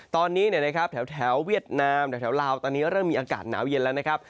ตอนนี้นะครับแถวเวียดนามแถวลาวตอนนี้เริ่มมีอากาศหนาวเย็นแล้วนะครับ